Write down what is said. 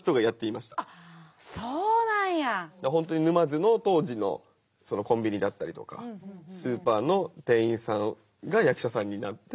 本当に沼津の当時のコンビニだったりとかスーパーの店員さんが役者さんになって。